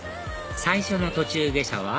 最初の途中下車は？